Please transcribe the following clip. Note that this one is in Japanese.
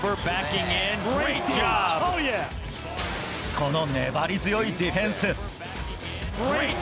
この粘り強いディフェンス。